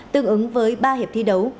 tương ứng với ba hiệp thi đấu